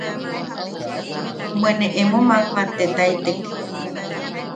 Bwe ne emo mammattetaitek.